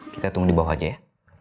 kita tunggu di bawah aja ya